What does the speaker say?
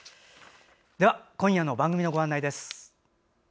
今夜の番組のご案内です。